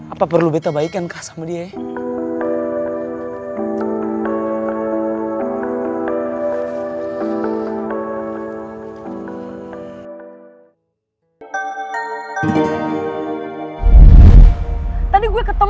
apa perlu bete baikan kah sama dia ya